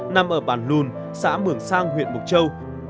nằm ở bản lùn xã mường sang huyện mộc châu